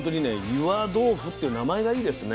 岩豆腐っていう名前がいいですね。